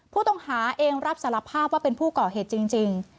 ผู้ต้องหาเองรับสารภาพว่าเป็นผู้ก่อเหตุจริง